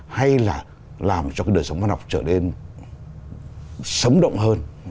hay là làm cho cái đời sống văn học trở nên sống động hơn